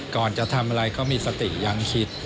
ก่อนจะทำอะไรก็มีสติยังคิด